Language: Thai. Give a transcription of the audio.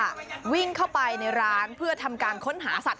วิ่งเข้าไปในร้านเพื่อทำการค้นหาสัตว